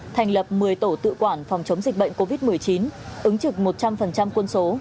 thành lập một mươi tổ tự quản phòng chống dịch bệnh covid một mươi chín ứng trực một trăm linh quân số